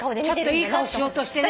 ちょっといい顔しようとしてね。